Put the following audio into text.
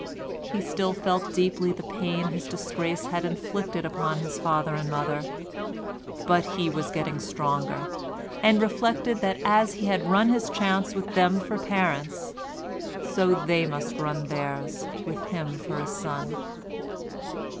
He still felt deeply the pain his disgrace had inflicted upon his father and mother, but he was getting stronger, and reflected that as he had run his chance with them for parents, so they must run theirs with him for a son.